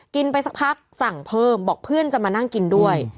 ไปสักพักสั่งเพิ่มบอกเพื่อนจะมานั่งกินด้วย